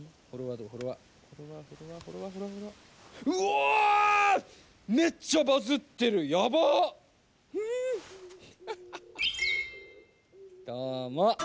どうも。